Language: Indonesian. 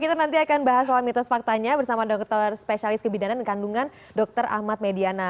terus juga nanti kita akan bahas soal mitos faktanya bersama dokter spesialis kebidanan kandungan dr ahmad mediana